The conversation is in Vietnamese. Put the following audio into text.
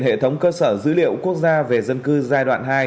hệ thống cơ sở dữ liệu quốc gia về dân cư giai đoạn hai